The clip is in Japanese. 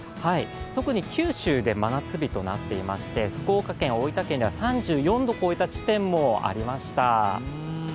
特に九州で真夏日となっていまして、福岡県、大分県では３４度を超えた地点もありました。